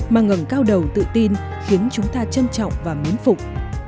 mà ngầm cao đầu tự tin khiến chúng ta trân trọng và miễn phục